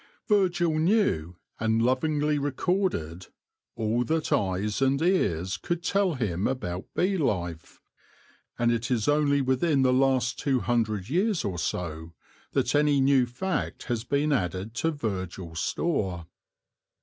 Virgil knew, and lovingly recorded, all that eyes and ears could tell him about bee life ; and it is only within the last two hundred years or so that any new fact has been added to Virgil's store.